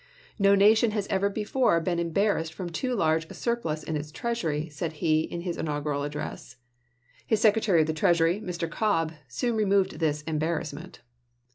"No nation has ever before been embarrassed from too large a surplus in its treasury," said he in his inaugural address. His Secretary of the Treasury, Mr. Cobb, soon removed this "embarrassment."